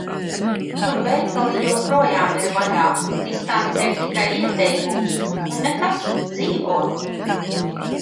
Tur veikali joprojām ir vaļā, distance ir tikai ieteikums, un nekas – dzīvo.